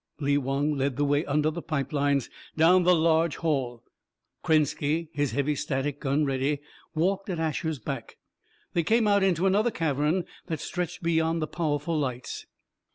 Lee Wong led the way under the pipe lines, down the large hall. Krenski, his heavy static gun ready, walked at Asher's back. They came out into another cavern that stretched beyond the powerful lights.